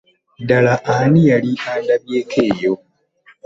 Ddala ani yali andabyeko eyo?